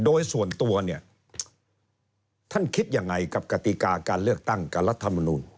โดยส่วนตัวท่านคิดอย่างไรกับกติกาการเลือกตั้งกับรัฐมนุน